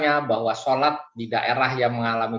artinya bahwa sholat di daerah yang mengalami